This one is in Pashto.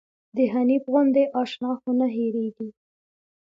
د حنيف غوندې اشنا خو نه هيريږي